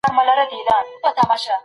ته باید د نورو پوهانو تایید ترلاسه کړې.